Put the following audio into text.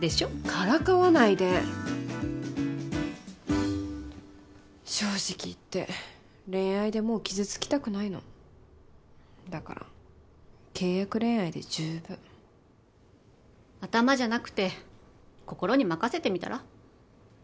からかわないで正直言って恋愛でもう傷つきたくないのだから契約恋愛で十分頭じゃなくて心に任せてみたら？